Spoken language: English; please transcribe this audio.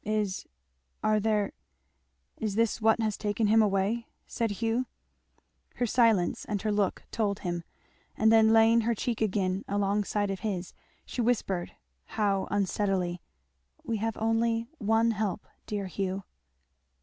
"Is Are there Is this what has taken him away?" said Hugh. Her silence and her look told him, and then laying her cheek again alongside of his she whispered, how unsteadily, "We have only one help, dear Hugh."